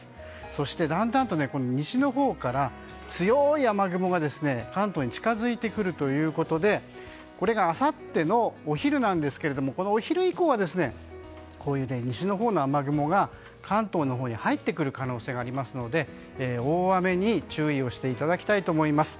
そして、だんだんと西のほうから強い雨雲が関東に近づいてくるということであさってのお昼以降は西のほうの雨雲が関東のほうに入ってくる可能性があるので大雨に注意していただきたいと思います。